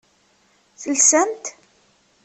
Telsamt?